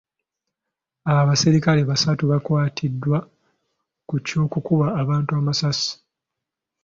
Abasirikale basatu bakwatiddwa ku by'okukuba abantu amasasi.